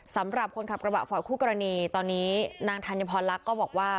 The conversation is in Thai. สำหรับคนขับกระบะฝ่ายคู่กรณีตอนนี้นางธัญพรลักษณ์ก็บอกว่า